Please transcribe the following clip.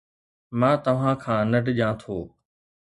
مان توهان کان نه ڊڄان ٿو